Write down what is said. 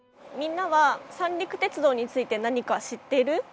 みんなは三陸鉄道について何か知ってる？